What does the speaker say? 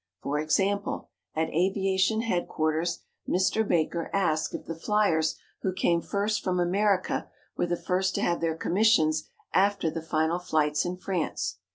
For example, at aviation headquarters, Mr. Baker asked if the fliers who came first from America were the first to have their commissions after the final flights in France.